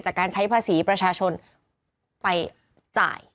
การใช้ภาษีประชาชนไปจ่าย